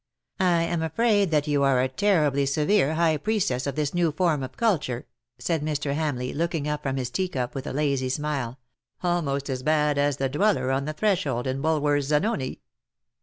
" I am afraid you are a terribly severe high priestess of this new form of culture," said Mr. Hamleigh, looking up from his tea cup with a lazy smile, almost as bad as the Dweller on the Threshold, in Bulwer's ' Zanoni.'